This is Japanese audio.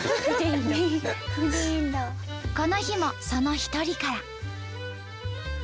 この日もその一人から。